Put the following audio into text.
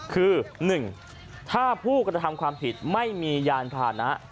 คือ๑ถ้าผู้กระทำความผิดไม่มียานพานะ